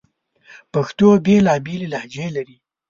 پښتو بیلابیلي لهجې لري